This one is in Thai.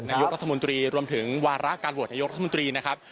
นายโรทธมุนตรีรวมถึงวาราการหวดนายโทษวณตรีนะครับ